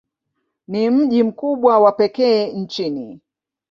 Ni mji mkubwa wa pekee nchini.